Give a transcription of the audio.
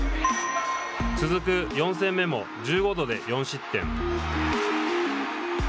続く４戦目も１５度で４失点。